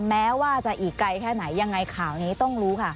แม้ว่าจะอีกไกลแค่ไหนยังไงข่าวนี้ต้องรู้ค่ะ